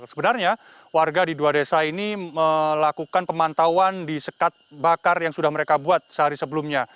sebenarnya warga di dua desa ini melakukan pemantauan di sekat bakar yang sudah mereka buat sehari sebelumnya